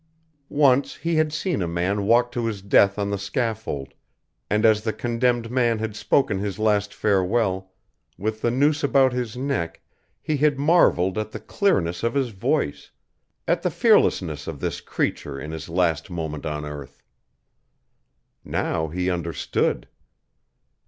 Once he had seen a man walk to his death on the scaffold, and as the condemned had spoken his last farewell, with the noose about his neck, he had marveled at the clearness of his voice, at the fearlessness of this creature in his last moment on earth. Now he understood.